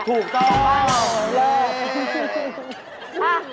ถูกต้อง